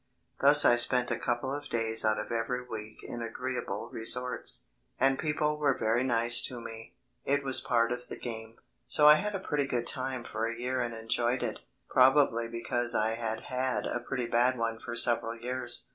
Thus I spent a couple of days out of every week in agreeable resorts, and people were very nice to me it was part of the game. So I had a pretty good time for a year and enjoyed it, probably because I had had a pretty bad one for several years.